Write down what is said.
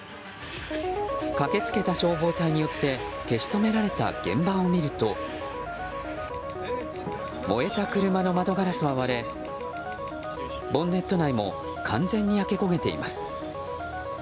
駆け付けた消防隊によって消し止められた現場を見ると燃えた車の窓ガラスは割れボンネット内も完全に焼け焦げています。